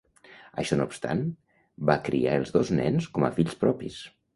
Això no obstant va criar els dos nens com a fills propis.